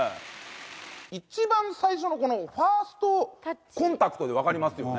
一番最初のこのファーストコンタクトでわかりますよね